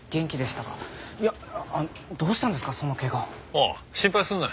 ああ心配すんな。